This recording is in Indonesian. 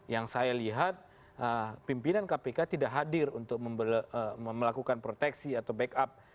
yang saya lihat pimpinan kpk tidak hadir untuk melakukan proteksi atau backup